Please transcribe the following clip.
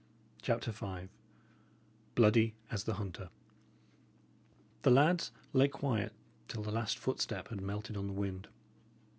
CHAPTER V "BLOODY AS THE HUNTER" The lads lay quiet till the last footstep had melted on the wind.